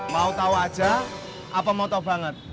mau tahu aja apa mau tau banget